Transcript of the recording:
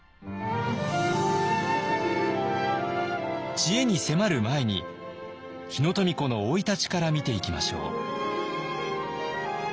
知恵に迫る前に日野富子の生い立ちから見ていきましょう。